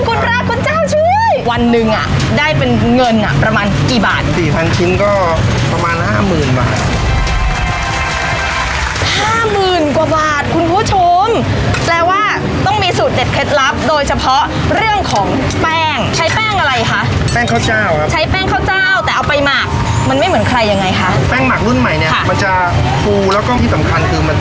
ขอบคุณครับขอบคุณครับขอบคุณครับขอบคุณครับขอบคุณครับขอบคุณครับขอบคุณครับขอบคุณครับขอบคุณครับขอบคุณครับขอบคุณครับขอบคุณครับขอบคุณครับขอบคุณครับขอบคุณครับขอบคุณครับขอบคุณครับขอบคุณครับขอบคุณครับขอบคุณครับขอบคุณครับขอบคุณครับข